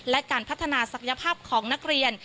และการพัฒนาศักยภาพของนักเรียน